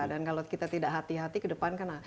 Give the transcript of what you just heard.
dan kalau kita tidak hati hati ke depan